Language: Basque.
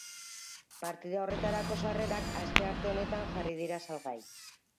Partida horretarako sarrerak, astearte honetan jarri dira salgai.